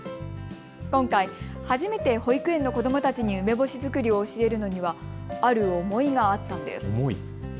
今回、初めて保育園の子どもたちに梅干し作りを教えるのにはある思いがあったんです。